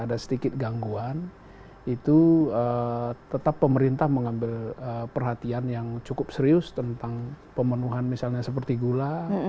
ada sedikit gangguan itu tetap pemerintah mengambil perhatian yang cukup serius tentang pemenuhan misalnya seperti gula